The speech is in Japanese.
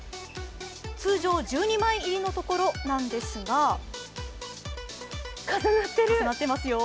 通常１２枚入りのところなんですが重なってますよ。